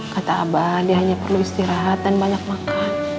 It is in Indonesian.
kata abah dia hanya perlu istirahat dan banyak makan